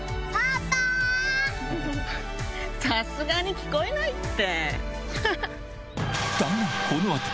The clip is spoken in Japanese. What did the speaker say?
さすがに聞こえないって！